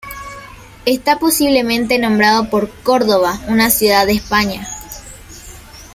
Está posiblemente nombrado por Córdoba, una ciudad de España.